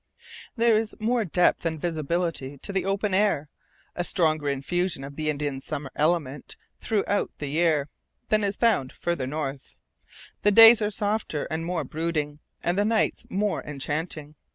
There is more depth and visibility to the open air, a stronger infusion of the Indian Summer element throughout the year, than is found farther north. The days are softer and more brooding, and the nights more enchanting.